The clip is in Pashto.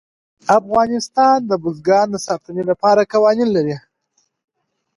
افغانستان د بزګان د ساتنې لپاره قوانین لري.